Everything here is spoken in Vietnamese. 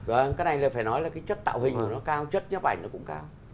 vâng cái này phải nói là cái chất tạo hình của nó cao chất nhấp ảnh của nó cũng cao